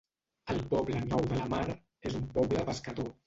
El Poble Nou de la Mar és un poble pescador.